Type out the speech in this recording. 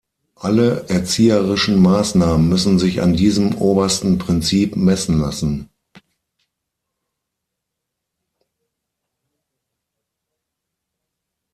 Alle erzieherischen Maßnahmen müssen sich an diesem obersten Prinzip messen lassen.